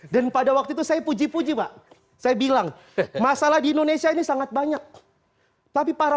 dan pada waktu itu saya puji puji pak saya bilang masalah di indonesia ini sangat banyak tapi para